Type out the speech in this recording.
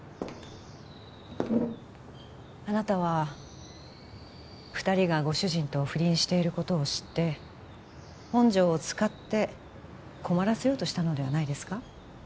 あなたは２人がご主人と不倫していることを知って本条を使って困らせようとしたのではないですか？